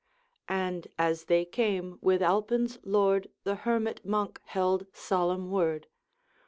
And, as they came, with Alpine's Lord The Hermit Monk held solemn word